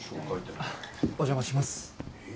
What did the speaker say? お邪魔します。